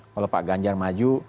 kalau pak ganjar maju